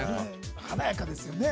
華やかですよね。